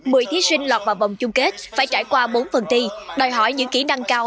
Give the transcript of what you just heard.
mười thí sinh lọt vào vòng chung kết phải trải qua bốn phần thi đòi hỏi những kỹ năng cao